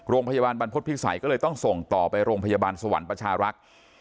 โรงพยาบาลบรรพฤษภิษัยก็เลยต้องส่งต่อไปโรงพยาบาลสวรรค์ประชารักษ์